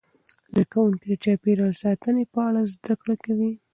زده کوونکي د چاپیریال ساتنې په اړه زده کړه کوي.